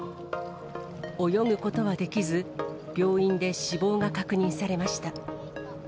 泳ぐことができず、病院で死亡が確認されました。